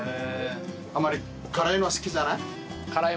あまり辛いのは好きじゃない？